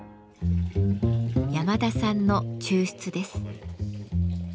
山田さんの抽出です。